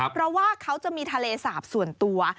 เพราะว่าเขาจะมีทะเลสาปส่วนตัว